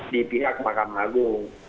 di pihak makam agung